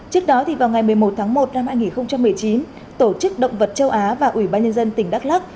trước đó vào ngày một mươi một tháng một năm hai nghìn một mươi chín tổ chức động vật châu á và ủy ban nhân dân tỉnh đắk lắc